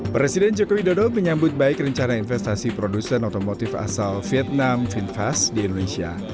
presiden jokowi dodo menyambut baik rencana investasi produsen otomotif asal vietnam finfast di indonesia